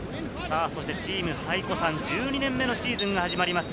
チーム最古参、１２年目のシーズンが始まります。